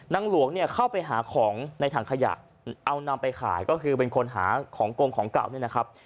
หลวงเนี่ยเข้าไปหาของในถังขยะเอานำไปขายก็คือเป็นคนหาของกงของเก่าเนี่ยนะครับ